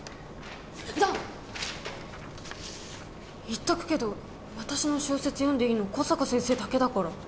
言っとくけど私の小説読んでいいの小坂先生だけだから。